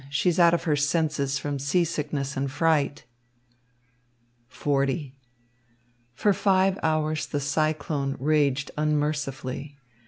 She's out of her senses from seasickness and fright." XL For five hours the cyclone raged unmercifully.